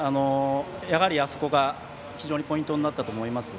あそこが非常にポイントになったと思います。